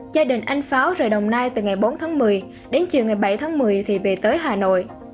gia đình anh pháo rời đồng nai từ ngày bốn tháng một mươi đến chiều ngày bảy tháng một mươi thì về tới hà nội